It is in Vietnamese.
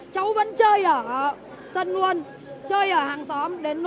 cháu vẫn chơi ở sân luôn chơi ở hàng xóm đến